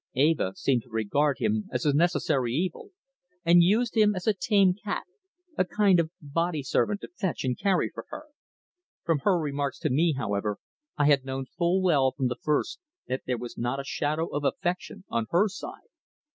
Eva seemed to regard him as a necessary evil, and used him as a tame cat, a kind of body servant to fetch and carry for her. From her remarks to me, however, I had known full well from the first that there was not a shadow of affection on her side.